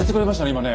今ね。